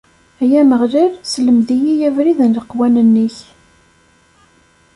Ay Ameɣlal, sselmed-iyi abrid n leqwanen-ik.